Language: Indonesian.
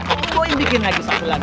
om gue bikin lagi satu lagi